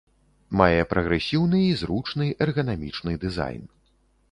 Мае прагрэсіўны і зручны эрганамічны дызайн.